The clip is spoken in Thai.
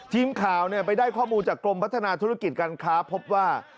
ทีมข่าวไปได้ข้อมูลจากกรมพัฒนาธุรกิจการค้าพบว่า